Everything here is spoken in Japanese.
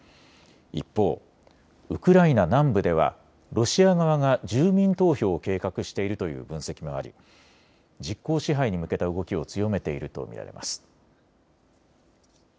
一方、ウクライナ南部ではロシア側が住民投票を計画しているという分析もあり実効支配に向けた動きを強めていると見られます。